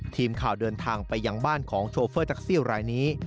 ทีมข่าวเดินทางไปยังบ้านของโชเฟอร์แท็กซี่รายนี้